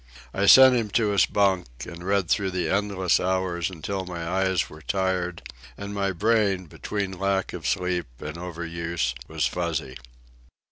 I sent him to his bunk, and read through the endless hours until my eyes were tired, and my brain, between lack of sleep and over use, was fuzzy.